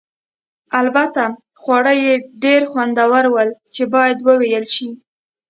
البته خواړه یې ډېر خوندور ول چې باید وویل شي.